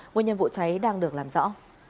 nguyên nhân vụ cháy đang được làm rõ